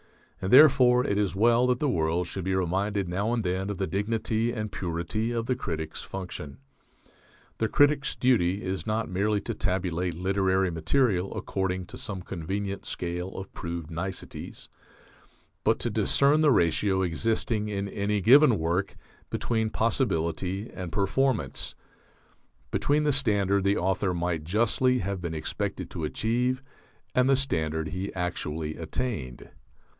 And therefore it is well that the world should be reminded now and then of the dignity and purity of the critic's function. The critic's duty is not merely to tabulate literary material according to some convenient scale of proved niceties; but to discern the ratio existing in any given work between possibility and performance; between the standard the author might justly have been expected to achieve and the standard he actually attained.